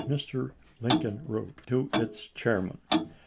which Mr. Lincoln wrote to its chairman.